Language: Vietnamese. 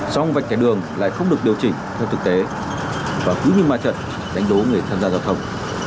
song vạch kẻ đường lại không được điều chỉnh theo thực tế và cứ như ma trận đánh đố người tham gia giao thông